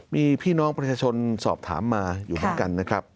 มีพี่น้องประชาชนสอบถามมาอยู่เหมือนกันนะครับ